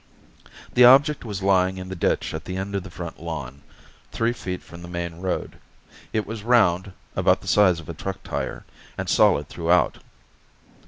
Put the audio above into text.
The object was lying in the ditch at the end of the front lawn, three feet from the main road. It was round, about the size of a truck tire, and solid throughout.